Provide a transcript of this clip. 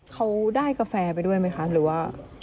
เขาได้กาแฟไปด้วยไหมคะหรือว่า